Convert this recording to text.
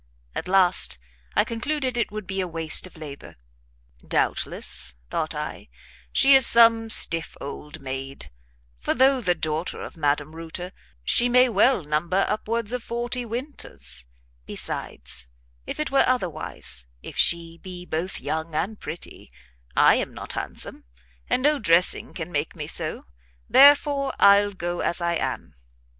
At last I concluded it would be a waste of labour. "Doubtless," thought I, "she is some stiff old maid; for though the daughter of Madame Reuter, she may well number upwards of forty winters; besides, if it were otherwise, if she be both young and pretty, I am not handsome, and no dressing can make me so, therefore I'll go as I am."